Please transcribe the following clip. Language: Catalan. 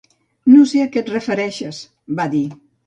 "No sé a què et refereixes", va dir.